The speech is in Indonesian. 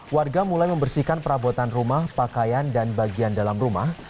warga mulai membersihkan perabotan rumah pakaian dan bagian dalam rumah